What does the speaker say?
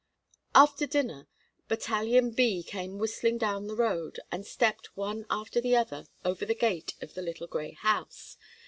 After dinner "Battalion B" came whistling down the road, and stepped, one after the other, over the gate of the little grey house.